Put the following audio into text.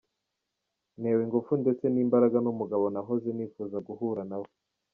Ntewe ingufu ndetse n’imbaraga n’umugabo nahoze nifuza guhura nawe.